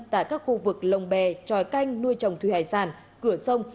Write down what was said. tại các khu vực lồng bè tròi canh nuôi trồng thủy hải sản cửa sông